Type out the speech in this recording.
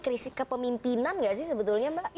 krisis kepemimpinan nggak sih sebetulnya mbak